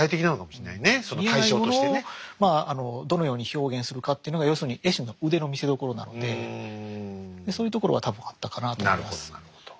見えないものをまああのどのように表現するかっていうのが要するに絵師の腕の見せどころなのでそういうところは多分あったかなと思います。